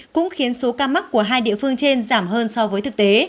cũng khiến số ca mắc của hai địa phương trên giảm hơn so với thực tế